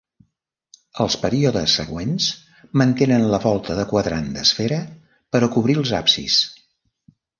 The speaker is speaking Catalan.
Els períodes següents mantenen la volta de quadrant d'esfera per a cobrir els absis.